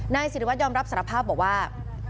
นายศิริวัตรยอมรับสารภาพบอกว่า